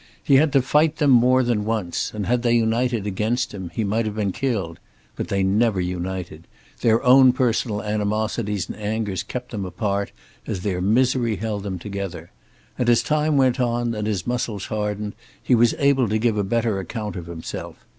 He had to fight them, more than once, and had they united against him he might have been killed. But they never united. Their own personal animosities and angers kept them apart, as their misery held them together. And as time went on and his muscles hardened he was able to give a better account of himself.